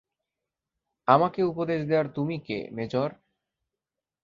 আমাকে উপদেশ দেওয়ার তুমি কে, মেজর?